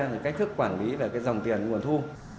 là cái thức quản lý và cái dòng tiền nguồn thu